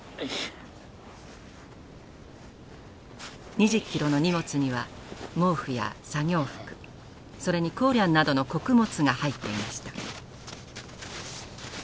２０キロの荷物には毛布や作業服それにコーリャンなどの穀物が入っていました。